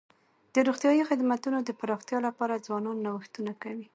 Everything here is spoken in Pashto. د روغتیايي خدمتونو د پراختیا لپاره ځوانان نوښتونه کوي.